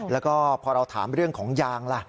และพอเราถามเรื่องของยาง